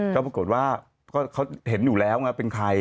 ก็ปรากฏว่าเขาเห็นอยู่แล้วไงเป็นใคร